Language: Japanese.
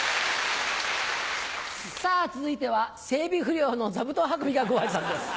さぁ続いては整備不良の座布団運びがご挨拶です。